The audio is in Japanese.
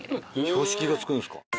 標識がつくんですか。